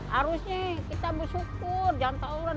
harusnya kita bersyukur jangan tauran